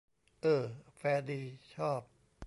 เอ้อ แฟร์ดี ชอบ